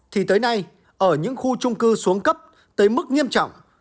thì tới nay ở những khu trung cư xuống cấp tới mức nghiêm trọng